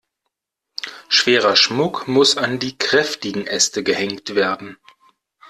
Schwerer Schmuck muss an die kräftigen Äste gehängt werden.